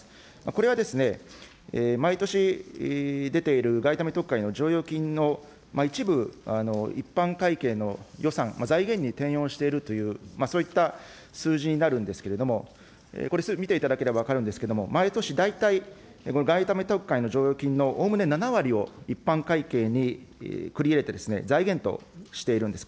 これは毎年出ている外為特会の剰余金の一部、一般会計の予算、財源に転用しているという、そういった数字になるんですけれども、これ見ていただければ分かるんですけれども、毎年大体、外為特会の剰余金のおおむね７割を一般会計に繰り入れて、財源としているんです。